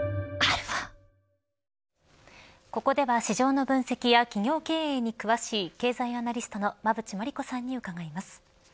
ここでは市場の分析や企業経営に詳しい経済アナリストの馬渕磨理子さんに伺います。